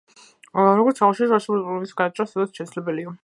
როგორც აღვნიშნეთ, არსებული პრობლემების გადაჭრა სავსებით შესაძლებელია.